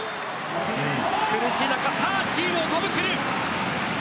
苦しい中、チームを鼓舞する。